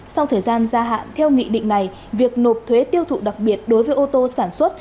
sau thời gian gia hạn theo nghị định này việc nộp thuế tiêu thụ đặc biệt đối với ô tô sản xuất